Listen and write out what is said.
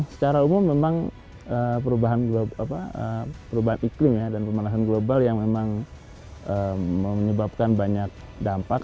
secara umum memang perubahan iklim ya dan pemanasan global yang memang menyebabkan banyak dampak